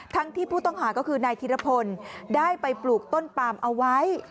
ที่ผู้ต้องหาก็คือนายธิรพลได้ไปปลูกต้นปามเอาไว้